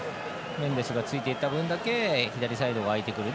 ついていった分だけ左サイドが空いてくる。